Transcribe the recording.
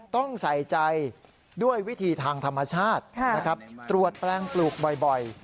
ต้องใส่ใจด้วยวิธีทางธรรมชาตินะครับตรวจแปลงปลูกบ่อย